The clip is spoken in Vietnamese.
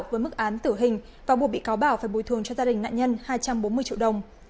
với mức án tử hình và buộc bị cáo bảo phải bồi thường cho gia đình nạn nhân hai trăm bốn mươi triệu đồng